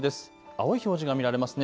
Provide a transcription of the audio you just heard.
青い表示が見られますね。